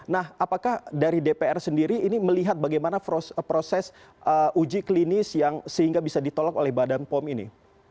nah apakah dari dpr sendiri ini melihat bagaimana proses uji klinis yang sehingga bisa ditolak oleh badan pom ini